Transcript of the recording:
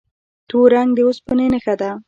تور رنګ د اوسپنې نښه ده.